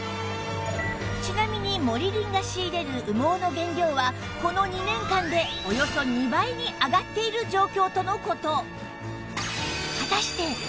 ちなみにモリリンが仕入れる羽毛の原料はこの２年間でおよそ２倍に上がっている状況との事